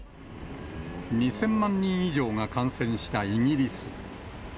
２０００万人以上が感染したイギリス。